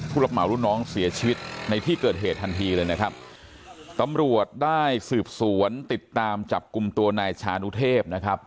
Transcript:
รับเหมารุ่นน้องเสียชีวิตในที่เกิดเหตุทันทีเลยนะครับตำรวจได้สืบสวนติดตามจับกลุ่มตัวนายชานุเทพนะครับ